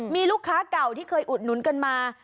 มีลูกค้าเก่าที่เคยอุดหนุนกันมา